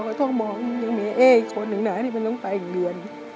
เราต้องมองยังมีเอ๊คนนึงไหนที่มันต้องไปอีกเดือน